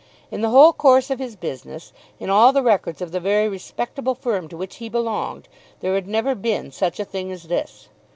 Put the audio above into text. In the whole course of his business, in all the records of the very respectable firm to which he belonged, there had never been such a thing as this.